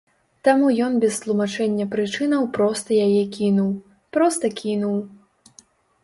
Там ён без тлумачэння прычынаў проста яе кінуў, проста кінуў!